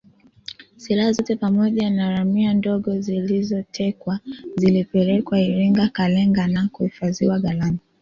Silaha zote pamoja na ramia ndogo zilizotekwa zilipelekwa Iringa Kalenga na kuhifadhiwa ghalani